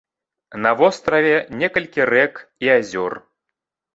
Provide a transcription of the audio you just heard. На востраве некалькі рэк і азёр.